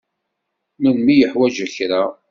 Melmi i yuḥwaǧ kra.